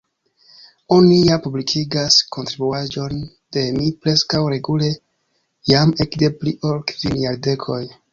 Oni ja publikigas kontribuaĵojn de mi preskaŭ regule jam ekde pli ol kvin jardekoj.